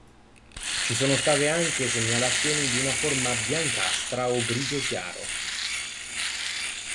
Ci sono state anche segnalazioni di una forma biancastra o grigio chiaro.